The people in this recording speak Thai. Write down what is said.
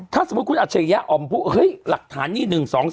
ถ้าคุณอัจฉริยะอ่อนพบว่าเหลือหลักฐานนี้๑๒๓๔๕